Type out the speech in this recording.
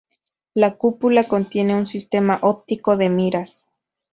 La cúpula contiene un sistema óptico de miras.